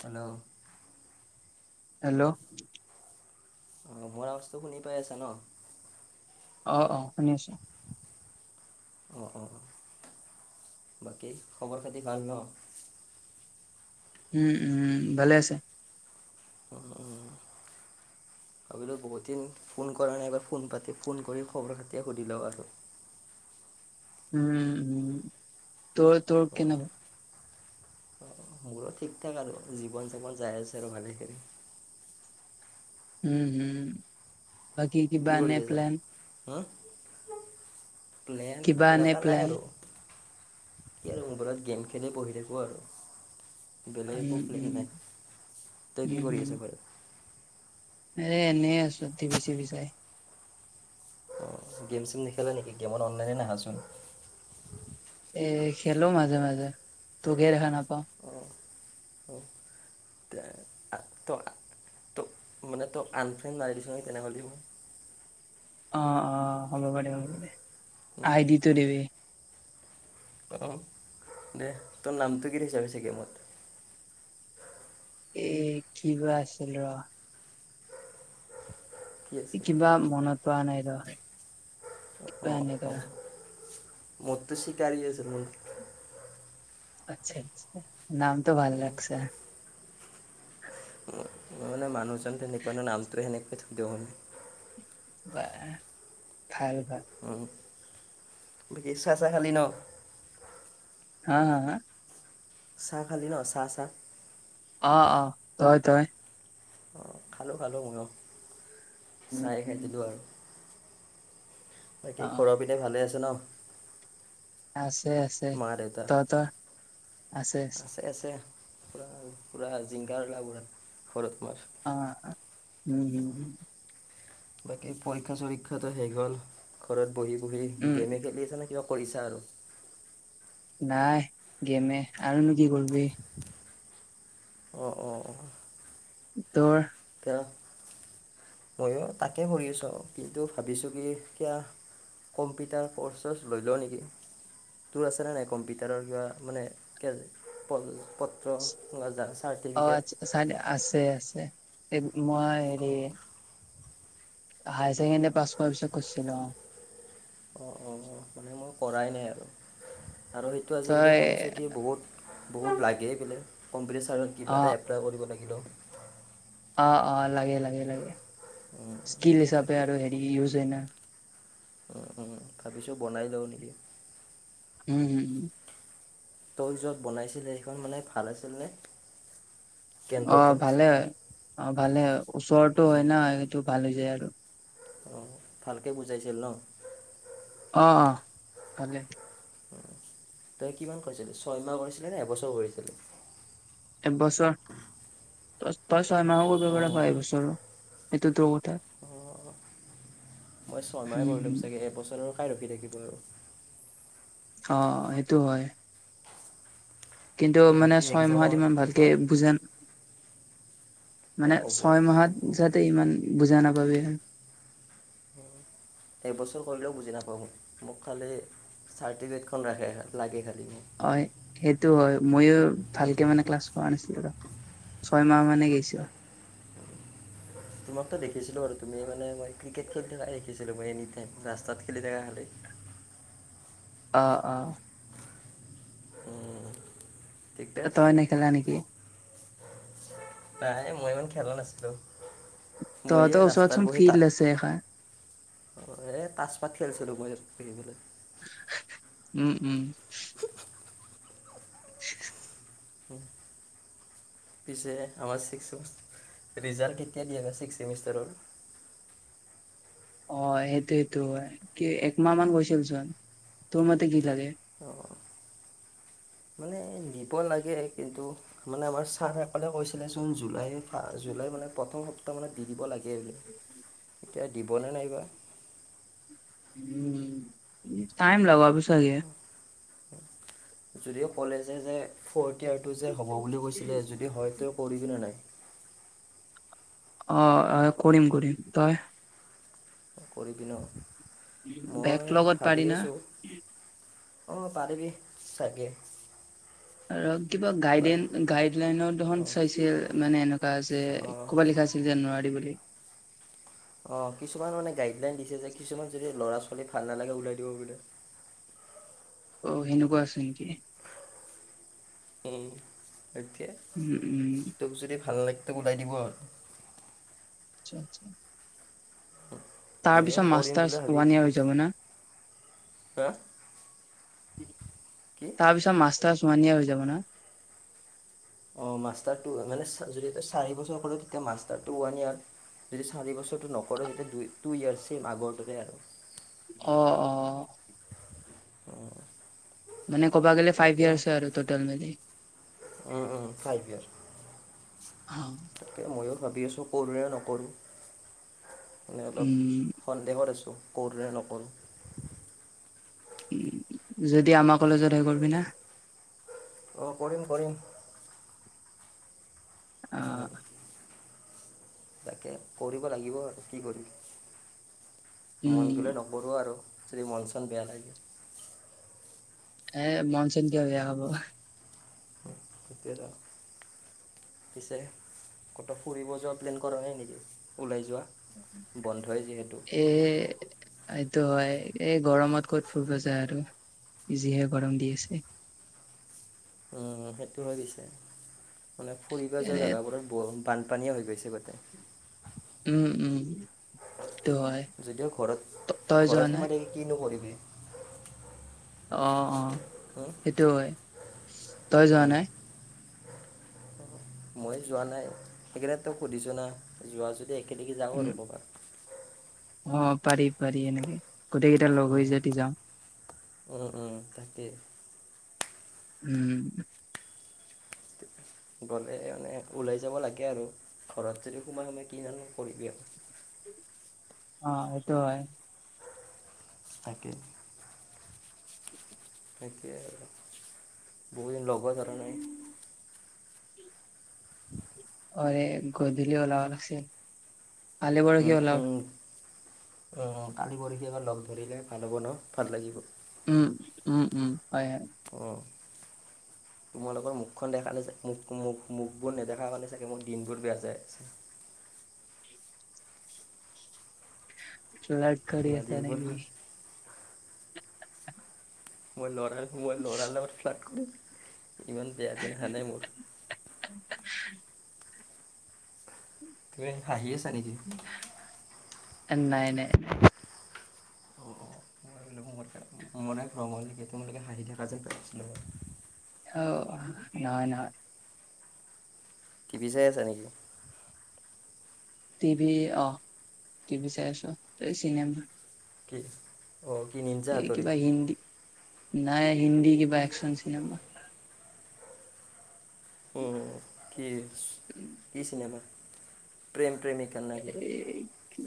Hello. Hello. আহ মোৰ আৱাজটো শুনি পাই আছা ন? অ অ শুনি আছো। অ অ বাকী খবৰ খাতি ভাল ন। উম উম ভালে আছে। উ উম। ভাবিলো বহুত দিন ফোন কৰা নাই এবাৰ ফোন পাতি ফোন কৰি খবৰ খাতি সুধি লওঁ আৰু। [inaudible] উম উম তোৰ তোৰ অঁ কেনেকুৱা? মোৰো ঠিক ঠাক আৰু জীৱন যাপন যাই আছে আৰু ভালে কৰি। উম, হম, বাকী কিবা এনে প্লেন। উম। প্লেন কিবা এনে এনেকা নাই প্লেন আৰু। আৰু মোবাইলত গেম খেলি বহি থাকো আৰু। বেলেগ একো উম প্লেন উম নাই। তই কি উম কৰি হম আছ হয়? এ এনেই আছো টিভি চিভি চাই। গেম চেম নেখেলা নেকি? গেমত অনলাইনে নাহাচোন। এ খেলো মাজে মাজে তোকে দেখা নাপাও। অঁ তে তই তই মানে তই আনফ্ৰেণ্ড মাৰি দিছ নহি তেনেহ'লে। অ অ হ'ব পাৰে হ'ব পাৰে আই দিতো দিবি। অঁ দে তোৰ নামটো কি দিচ পিছে গেমত? এ কিবা আছিল ৰ! কি আছিল কিবা মনত পৰা নাই ৰ কিবা অঁ এনেকা অঁ মোৰটো চিকাৰী আছিল মোৰ। আচ্ছা আচ্ছা নামটো ভাল লাগছে। মানে মানুহজন তেনেকুৱা ন নামটো সেনেকুৱ থই দিওঁ আৰু। উপাই নাই, ভাল উ বকি চা চা খালী ন? হা হা হা? চাহ খালি ন চাহ চাহ? অ অ হয় ত। খালো খালো ময় উম, চাই খাই দিলো আৰু। উম, বাকী অ', ঘৰৰ পিনে ভালে আছে ন? আছে আছে। মা দেউতা তহতৰ? আছে আছে পুৰা পুৰা জিংগাৰলা পুৰা। অ উম হম। বাকী পৰীক্ষা চৰীক্ষাতটো শেষ হ'ল ঘৰত বহি বহি উম, গেমে খেলি আছা নে কিবা কৰিছা আৰু? নাই গেমে আৰু নো কি কৰিবি! অঁ অঁ অঁ। তোৰ? এতিয়া ময়ো তাকে কৰি আছো আও। কিন্তু ভাবিছো কি এতিয়া কম্পিউটাৰ ক'ৰ্চছ লৈ ল নেকি? তোৰ আছেনে নাই কম্পিউটাৰৰ কিবা মানে পত্ৰ যাৰ আ অ আচ্ছা চাই আছে আছে, মই হেৰি অঁ হায়াৰ ছেকেণ্ডোৰী পাছ কৰাৰ পিছত কৰিছিলো অ। অঁ অঁ মানে মই কৰাই নাই আৰু আৰু সেইটো আজিকালি তই শুনিছোঁ কি বহুত বহুত লাগে বোলে কম্পিউটাৰ চাৰত কিবা অ', এটা এপ্লাই কৰিব লাগিলো। অ অ লাগে লাগে লাগে স্কিল হিচাপে তাকে আৰু হেৰি ইউজ হয় ন। ভাবিছোঁ বনাই লওঁ নেকি? উম হম হ। তই যত বনাইছিলে সেইখন মানে ভাল আছিল নে? অ ভালে হয় অ ভালে হয় ওচৰৰতো হয় ন সেইটো ভাল হৈ যায় আৰু। অ ভালকে বুজাইছিল ন? অঁ অঁ ভালে। তই কিমান কৰিছিলি ছয়মাহ কৰিছিলি নে এবছৰ কৰিছিলি? এ বছৰৰ। ছয় মাহ কৰিব পৰা অঁ পায় এইবছৰো এইটো তোৰ কথা। অঁ মই ছয়মাহ কৰি লম চাগে এবছৰৰ খাই ৰখি থাকিব আৰু। অঁ সেইটো হয়। কিন্তু মানে বাকী ছয় মাহত এক্সামৰ ইমান ভালকে বুজন এই মানে হ'ব ছয় মাহত আৰু যাতে ইমান বুজা নাপাবি আৰু। [unintelligible] একবছৰ কলেও বুজি নাপাওঁ মোক মোক খালি চাৰটিফিকেটখন ৰাখে লাগে খালি। মোক হয় সেইটো হয় ময়ো ভালকে মানে ক্লাছ কৰা নাছিলো ৰ। ছয়মাহ মানে গৈছো। উ [unintelligible] তোমাকতো দেখিছিলো আৰু তুমি মানে মই ক্ৰিকেট খেলি থ দেখিছিলো মই এনিাই ৰাস্তাত খেলি থকা খালে। [unintelligible] অহ অঁ। উম। ঠিকে তই আছে নেখেলা নেকি। নাই মই ইমান খেলা নাছিলো। তত ওচৰতচোন ফিল আছে এখন। অঁ এ তচ পাত খেলছিলো মই ই দেখিবলৈ। উম উম। [unintelligible] [unintelligible] পিছে আমাৰ চিক্স ছেম, ৰিজাল্ট কেতিয়া দিয়ে বা চিক্স ছেমিষ্টাৰৰ? [unintelligible] অ সেইটো সেইটো হয়, কি একমাহ মান গৈছিলচোন। তোৰ মতে কি লাগে? অঁ মানে নিব লাগে, কিন্তু মানে আমাৰ ছাৰসকলে কৈছিলে চোন জুলাই ফা জুলাই। মানে প্ৰথমপ্তাহ মানে দি দিব লাগে। এতিয়া দিবনে নাইবা? উম টাইম লগাব চাগে। যদিও কলে যে যে ফৰ্ত। এতিয়টো যে হ'ব বুলি কৈছিলে যদি হয়তো কৰিবি নে নাই? অ আহ কৰিম কৰিম, তই? কৰি বি ন? বেগ মই লগত পাৰি না? অ পাৰিবি চাগে। আৰু। কিবা বাট গাইডন গাইড লাইনৰ দেখোন অঁ চাইছিল মানে এনেকুৱা যে অঁ ক'বাত লিখা আছিল যে নোৱাৰ দ বুলি। তেই। অ কিছুমান মানে গাইডলাইন দিছে যে কিছুমান যদি ল'ৰা ছোৱালী। ছলি ভাল নালাগে ওলাই দিব বোলে। অ সেনেকুৱা আছে নেকি? উম সতিয়া উম উম তোক যদি ভাল লাগে। ওলাই দিব আৰু। আচ্ছা আচ্ছা। মই তাৰ এইবাৰ পিছত মাষ্টাৰ্ছ ওৱান ইয়েৰ হৈ যাব না? চা। তাৰপিছত মাষ্টাৰ অনে হৈ যাব ওৱান ইয়েৰ হৈ যাব না? অ মাষ্টাৰ টো মানে যদি এতিয়া চাৰি বছৰ কৰে তেতিয়া মাষ্টাৰ টো ওৱান ইয়াৰ। যদি চাৰি বছৰটো নকৰে তেতিয়া টো ইয়াৰ ছেম আগৰ দৰে আৰু। অ অ। উম। মানে কবা গ'লে ফাইভ ইয়্চ আৰু টতেল মানে। ফাইভ ইয়াৰ তাকে মইয়ো। ভাবি আছোঁ কৰোঁৰে নকৰোঁ, মানে অলপ উম সন্দেহত আছোঁ। কৰোঁ নে নকৰো। যদি আমাৰ কলেজত হৈ কৰিবি নে? অ কৰিম কৰিম। অ উম তাকে কৰিব লাগিব আৰু, কি কৰি উম মন গ'লে নকৰোঁ আৰু যদি মন চন বেয়া লাগে। এ মনচন কিয় বেয়া হব। উম হেইটুয়ে ত। পিছে কতো ফুৰিব যোৱা প্লেন কৰা নাই নেকি, ওলাই যোৱা? বন্ধ এ যিহেতু। এ এইটো হয়, এই গৰমত ক'ত ফুৰিব যায় আৰু জিহে গৰম দি আছে। [unintelligible] উম সেইটো হয় পিছে, মানে ফুৰিব যোৱা এনে জোগাবোৰত বৰ বানপানীয়ে হৈ গৈছে বাৰু। উম উম। সেইটো হয় যদিওঁ ঘৰত ত তই যোৱা ঘৰত নাই সোমাই থাকি কিনো কৰিবি। অ অ সেইটো হয়, তই যোৱা নাই? মই যোৱা নাই সেইকাৰণে তোক সুধিছো ন যোৱা য দি একেলগে যাওঁ উম আৰু ক'ৰবাত। অ', পাৰি পাৰি এনেকে গোটেই কেইটা লগ হৈ যদি যাওঁ। উম উম তাকেই। উম। [inaudible] গ'লে মানে ওলাই যাব লাগে আৰু ঘৰত যদি সোমাই সোমাই কি ডালনো কৰিবি আৰু। [inaudible] অ', এইটো হয়। তাকে। তাকেই আৰু বহুত দিন লগো ধৰা নাই। অৰে গধূলি ওলাব লাগছিল। কালি পৰহি উলাও। অ', কালি পৰহি এবাৰ লগ ধৰিলে ভাল হ'ব ন ভাল লাগিব। উম উম উম হয় হয়। অ'। তোমালোকৰ মুখখন দেখা নে চ মুখ মুখ মুখবোৰ নেদেখাৰ কাৰণে চাগে মোক দিনবোৰ বেয়া যায়। [inaudible] ফ্লাৰ্ত কৰি তোমাৰ আছে নে দিনবোৰ ভাল কি? মই লৰা মই লৰা লগত ফ্লাৰ্ট কৰিম। ইমান বেয়া দিন আহা নাই মোৰ। তুমি হাঁহি আছা নেকি? নাই নাই নাই। অ'। [unintelligible] হাঁহি থাকা যেন পাইছিলো। অ', নহয় নহয়। টি ভি চাই আছা নেকি? টি ভি, অ টি ভি চাই আছো এই চিনেমা। কি? অঁ কি নিঞ্জা এই হাতৰি কিবা হিন্দী নাই হিন্দী কিবা একচন চিনেমা। উ, কি? কি চিনেমা? প্ৰেম প্ৰেমিকা নে কি এই কি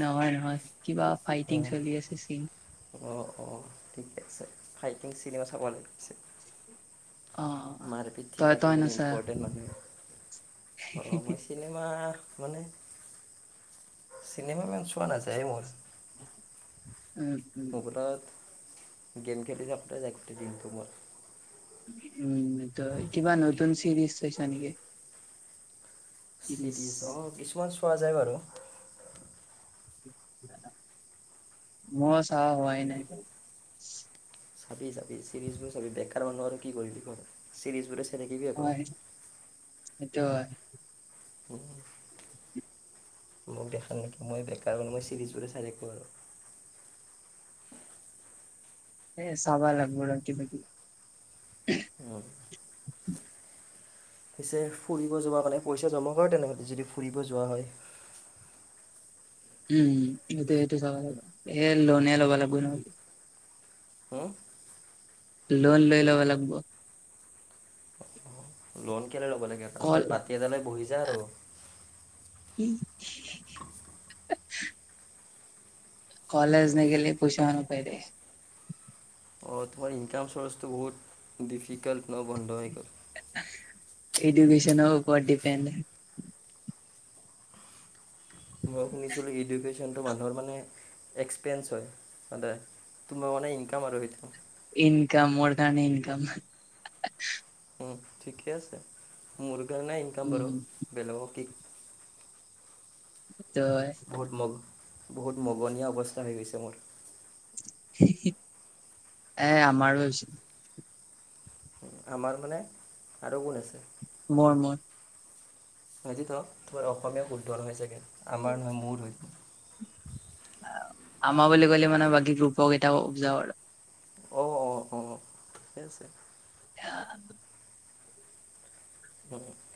নহয় নহয়। কিবা উ ফাইটিং চলি আছে চিন অ', অ', ঠিকে আছে ফাইটিং চিনেমা চাব লাগে। অ', তই তই নাছা? ৰ মই চিনেমা মানে চিনেমা ইমান চোৱা নাযায় মোৰ। মোবাইলত অ'। গেম খেলি থাকোঁতে যাই গোটেই দিনটো মোৰ। উম! তই, কিবা নতুন চিৰিজ চাইছা নেকি? চিৰিজ চিৰিছ অ'! কিছুমান চোৱা যায় বাৰু। মই চোৱা হোৱাই উম, নাই। চাবি, চাবি চিৰিজ বোৰ চাবি! বেকাৰ মানুহ আৰু কি কৰিবি ক চিৰিজ বোৰে দেখিবি আকৌ। সেইটোও হয়। [unintelligible] মোক দেখা নেকি? মই বেকাৰ মানুহ, মই চিৰিজ বোৰে চাই থাকোঁ আৰু। এ, চাবা লাগব ৰ' কিবাকিবি। উম! পিছে ফুৰিব যোৱাৰ মানে, পইচা জমা কৰা তেনেহলে যদি ফুৰিব যোৱা হয়। উম, এইটো, এইটো [unintelligible] এই লোণেই ল'ব লাগব নহয়। হুম? লোণ লৈ ল'ব লাগব। লোণ কেলৈ ল'ব লাগে? কল ৰাস্তাত বাতি এটা লৈ বহি যা আৰু। [unintelligible] কলেজ নেগলে পইচাও নাপাই দে। অ'! তোমাৰ ইনকাম চৰ্চটো বহুত ডিফিকাল্ট ন' বন্ধ হৈ গ'ল। এডুকেশ্যনৰ ওপৰত ডিপেণ্ড। মই শুনিছিলোঁ এডুকেশ্বন যোনতো মানুহৰ মানে, এক্সপেঞ্চ হয়। তাতে, তোমাৰ মানে ইনকাম আৰু সেইটো। ইনকামৰ কাৰনে, ইনকাম [unintelligible] উম, ঠিকে আছে। মোৰ কাৰণে ইনকাম বাৰু। উম বেলেগক কে ত এ বহুত মগ বহুত মগনীয়া অৱস্থা হৈ গৈছে মোৰ। এ, আমাৰো হৈছে। আমাৰ মানে আৰু গুণ আছে। মই, মই। [unintelligible] তোমাৰ অসমীয়া শুদ্ধ নহৈ চাগে। আমাৰ নহয়, মোৰ হয়। আমাৰ বুলি ক'লে মানে, বাকী গ্ৰুপ কেইটাও যাঁও আৰু। অ'! অ'! অ'! ঠিকেই আছে। [unintelligible]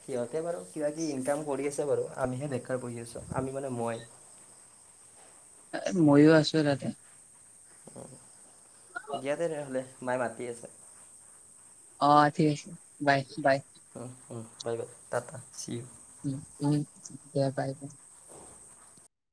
সিহঁতে বাৰু কিবা কিবি ইনকাম কৰি আছে বাৰু। আমিহে বেকাৰ বহি আছোঁ। আমি মানে মই। [unintelligible] মইয়ো আছোঁ তাতে। উম, দিয়া দে তেনেহ'লে। মায়ে মাতি আছে। অ'! ঠিক আছে। বাই, বাই। উম, উম, বাই, বাই, টা, টা, চিও। উম! [unintelligible]